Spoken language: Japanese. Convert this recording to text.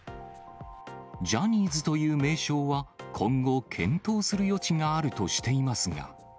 ジャニーズという名称は今後、検討する余地があるとしていますが。